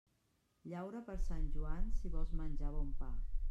Llaura per Sant Joan, si vols menjar bon pa.